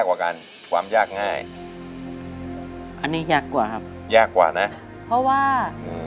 กว่าการความยากง่ายอันนี้ยากกว่าครับยากกว่านะเพราะว่าอืม